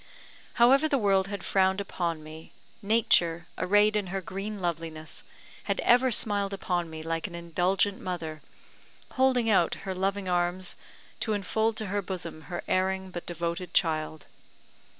However the world had frowned upon me, Nature, arrayed in her green loveliness, had ever smiled upon me like an indulgent mother, holding out her loving arms to enfold to her bosom her erring but devoted child.